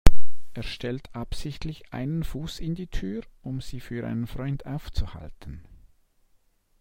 Er stellt absichtlich einen Fuß in die Tür, um sie für einen Freund aufzuhalten.